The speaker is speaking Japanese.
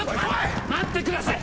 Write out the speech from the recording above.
まっ待ってください。